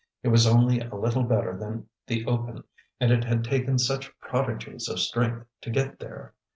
It was only a little better than the open, and it had taken such prodigies of strength to get there!